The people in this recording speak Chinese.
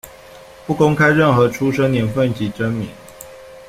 不公开任何出生年份及真名。